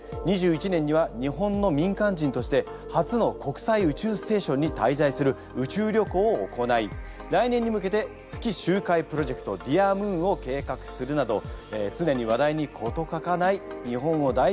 ２１年には日本の民間人として初の国際宇宙ステーションに滞在する宇宙旅行を行い来年に向けて月周回プロジェクト「ｄｅａｒＭｏｏｎ」を計画するなどつねに話題に事欠かない日本を代表する実業家であります。